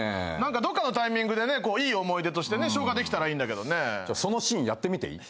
どこかのタイミングでいい思い出としてね消化できたらいいんだけどねそのシーンやってみていい？